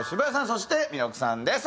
そして彌勒さんです。